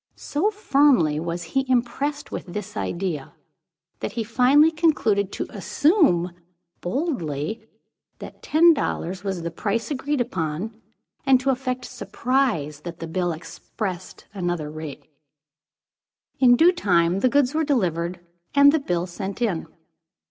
So firmly was he impressed with this idea, that he finally concluded to assume, boldly, that ten dollars was the price agreed upon, and to affect surprise that the bill expressed any other rate. In due time, the goods were delivered and the bill sent in.